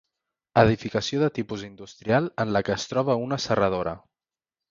Edificació de tipus industrial en la que es troba una serradora.